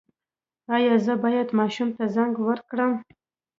ایا زه باید ماشوم ته زنک ورکړم؟